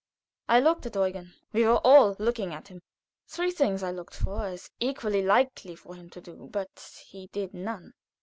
I looked at Eugen. We were all looking at him. Three things I looked for as equally likely for him to do; but he did none.